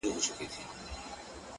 • زه به غمو ته شاعري كومه ـ